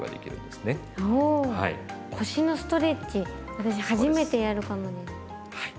私初めてやるかもです。